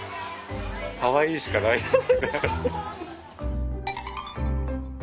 かわいいしかないです。